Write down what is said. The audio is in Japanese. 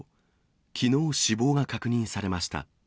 きのう、死亡が確認されました。